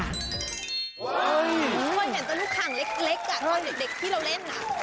คนเห็นแต่ลูกข่างเล็กตอนเด็กที่เราเล่น